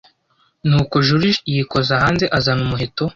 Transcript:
Ni uko joriji yikoza hanze azana umuheto